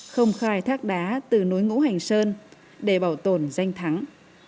không khai thác đá từ núi ngũ hành sơn để bảo tồn danh thắng